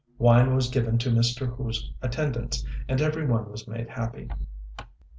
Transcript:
Wine was given to Mr. Hu's attendants, and every one was made happy.